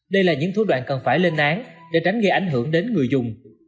đây là những thủ đoạn cần phải lên án để tránh gây ảnh hưởng đến người dùng